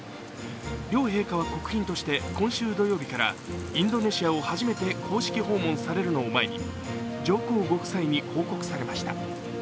両陛下は国賓として今週土曜日からインドネシアを初めて公式訪問されるのを前に上皇ご夫妻に報告されました。